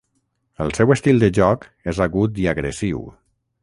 El seu estil de joc és agut i agressiu.